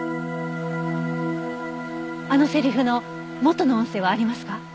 あのセリフの元の音声はありますか？